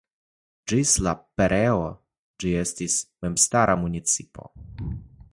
Ĝis sia pereo ĝi estis memstara municipo.